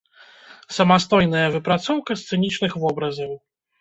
Самастойная выпрацоўка сцэнічных вобразаў.